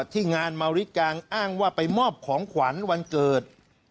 ที่งานมาริกางอ้างว่าไปมอบของขวัญวันเกิด